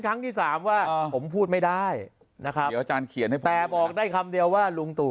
ครั้งที่๓ว่าผมพูดไม่ได้นะครับแต่บอกได้คำเดียวว่าลุงตู่